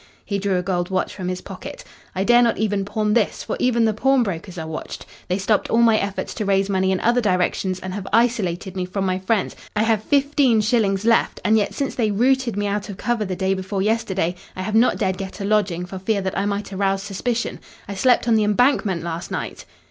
He drew a gold watch from his pocket. "I dare not even pawn this, for even the pawnbrokers are watched. They stopped all my efforts to raise money in other directions, and have isolated me from my friends. I have fifteen shillings left, and yet since they routed me out of cover the day before yesterday I have not dared get a lodging for fear that I might arouse suspicion. I slept on the Embankment last night."